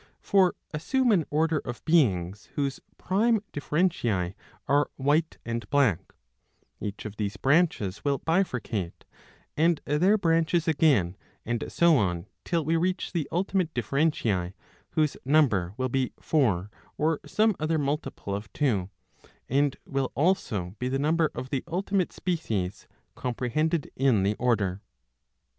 For assume an order of beings whose prime differentiae are White and Black, Each of these branches will bifurcate, and their branches again, and so on till we reach the ultimate differentiae, whose number will be four or some other multiple of two, and will also be the number of the ultimate species comprehended in the order.